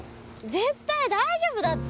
絶対大丈夫だって。